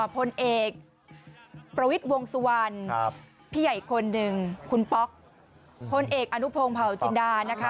พลเอกประวิทย์วงสุวรรณ